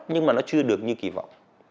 nhưng mà nó chưa được như kỳ vọng